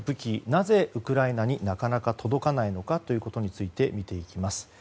なぜウクライナになかなか届かないのかということについて見ていきます。